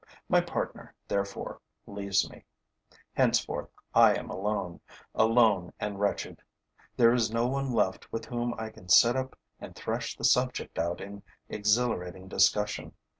My partner, therefore, leaves me. Henceforth, I am alone, alone and wretched. There is no one left with whom I can sit up and thresh the subject out in exhilarating discussion.